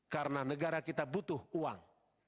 karena negara kita butuh uang